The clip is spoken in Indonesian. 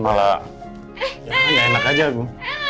malah ya enak aja aku